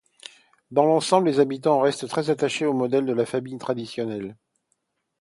Dans l'ensemble, les habitants restent très attachés au modèle de la famille traditionnelle.